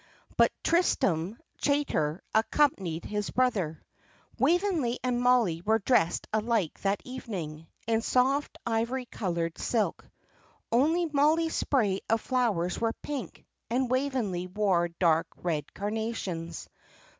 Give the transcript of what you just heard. But Tristram Chaytor accompanied his brother. Waveney and Mollie were dressed alike that evening, in soft, ivory coloured silk. Only Mollie's spray of flowers were pink, and Waveney wore dark red carnations.